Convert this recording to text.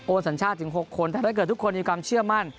สัญชาติถึง๖คนแต่ถ้าเกิดทุกคนมีความเชื่อมั่น